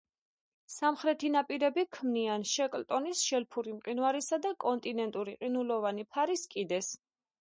სამხრეთი ნაპირები ქმნიან შეკლტონის შელფური მყინვარისა და კონტინენტური ყინულოვანი ფარის კიდეს.